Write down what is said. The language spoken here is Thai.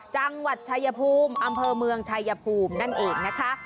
จังหวัดชายภูมิอำเภอเมืองชายภูมินั่นเองนะคะ